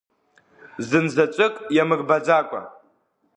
Зынзаҵәык иамырбаӡакәа!